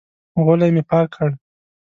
غولی مې پاک کړ.